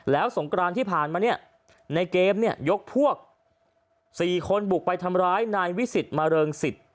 แล้วสงกรานที่ผ่านมาเนี่ยในเกมเนี่ยยกพวก๔คนบุกไปทำร้ายนายวิสิตมาเริงสิทธิ์